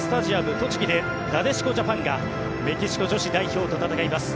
とちぎでなでしこジャパンがメキシコ女子代表と戦います。